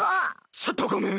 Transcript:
ちょっとごめん。